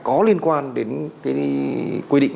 có liên quan đến cái quy định